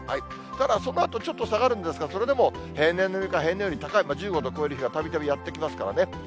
ただそのあとちょっと下がるんですが、それでも平年並みか、平年より高い、１５度を超える日がたびたびやって来ますからね。